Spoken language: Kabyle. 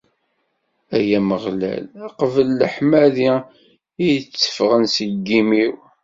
Ay Ameɣlal, qbel leḥmadi i d-itteffɣen seg yimi-w.